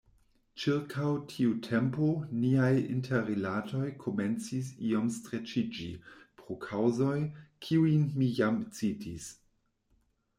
Ĉirkaŭ tiu tempo niaj interrilatoj komencis iom streĉiĝi pro kaŭzoj, kiujn mi jam citis.